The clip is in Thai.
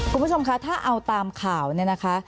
คุณผู้ชมคะถ้าเอาตามข่าวเนี่ยนะคะ